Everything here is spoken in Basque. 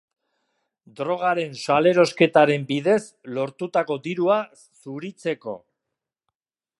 Drogaren salerosketaren bidez lortutako dirua zuritzeko.